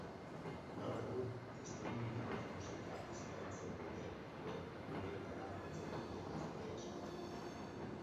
Gaur egun, streaming bidez musika eskaintzen duten webguneetara jotzen dute gazte askok.